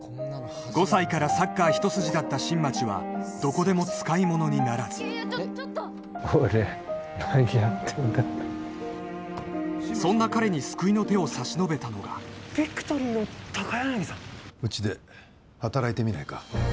５歳からサッカーひと筋だった新町はどこでも使い物にならず俺何やってんだそんな彼に救いの手を差し伸べたのがビクトリーの高柳さんうちで働いてみないか？